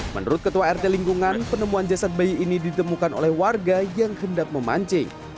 menurut ketua rt lingkungan penemuan jasad bayi ini ditemukan oleh warga yang hendak memancing